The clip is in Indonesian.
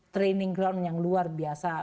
training ground yang luar biasa